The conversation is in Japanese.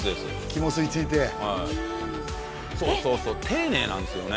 肝吸いついてはいそうそうそう丁寧なんですよね